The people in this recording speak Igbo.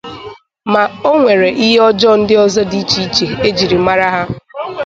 ma o nwere ihe ọjọọ ndị ọzọ dị iche iche ejiri mara ha